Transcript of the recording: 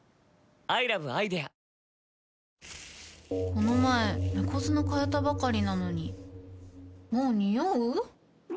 この前猫砂替えたばかりなのにもうニオう？